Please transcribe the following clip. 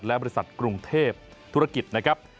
และบริษัทกรุงเทพธุรกิจนะครับ